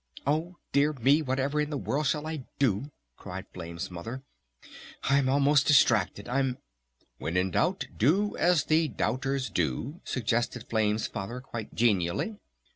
"Oh, dear me, whatever in the world shall I do?" cried Flame's Mother. "I'm almost distracted! I'm " "When in Doubt do as the Doubters do," suggested Flame's Father quite genially.